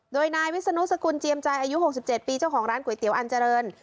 โดยนายวิศนุสกุลเจียมใจอายุ๖๗ปีเจ้าของร้านก๋วยเตี๋ยวอันเจริญ